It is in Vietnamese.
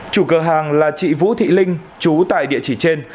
chủ cửa hàng là chị vũ thị linh chú tại địa chỉ trên